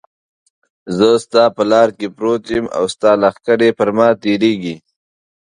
زه ستا په لاره کې پروت یم او ستا لښکرې پر ما تېرېږي.